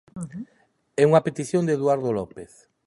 É unha petición de Eduardo López.